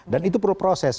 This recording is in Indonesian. dan itu perlu proses